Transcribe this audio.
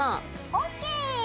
ＯＫ！